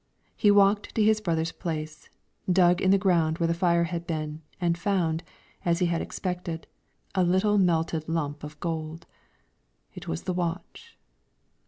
He walked to his brother's place, dug in the ground where the fire had been, and found, as he had expected, a little melted lump of gold. It was the watch.